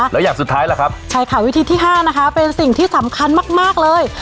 แล้วอย่างสุดท้ายล่ะครับใช่ค่ะวิธีที่๕นะคะเป็นสิ่งที่สำคัญมากเลย